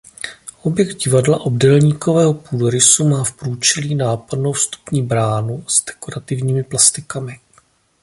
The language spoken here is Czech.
Objekt divadla obdélníkového půdorysu má v průčelí nápadnou vstupní bránu s dekorativními plastikami.